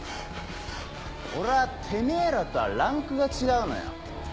俺はてめぇらとはランクが違うのよ。